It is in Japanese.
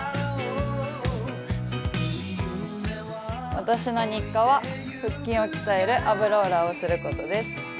私の日課は腹筋を鍛えるアブローラーをすることです。